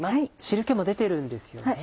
汁気も出てるんですよね。